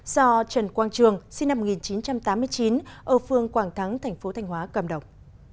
do trần quang trường sinh năm một nghìn chín trăm tám mươi chín ở phương quảng thắng thành phố thanh hóa cầm đồng